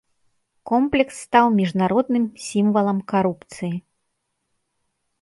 Комплекс стаў міжнародным сімвалам карупцыі.